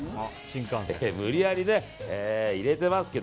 無理やり入れてますけど。